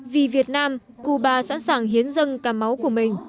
vì việt nam cuba sẵn sàng hiến dâng cả máu của mình